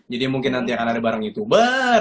jadi mungkin nanti akan ada bareng youtuber